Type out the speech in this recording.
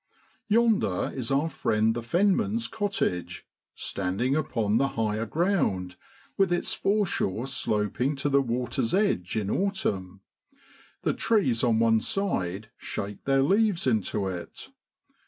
Yonder is our friend the fenman's cottage standing upon the higher ground, with its fore shore sloping to the water's edge in autumn; the tree? on one side shake their leaves into it.